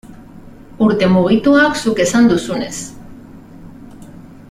Urte mugituak, zuk esan duzunez.